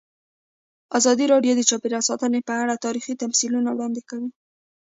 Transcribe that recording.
ازادي راډیو د چاپیریال ساتنه په اړه تاریخي تمثیلونه وړاندې کړي.